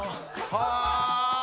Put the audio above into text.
はあ！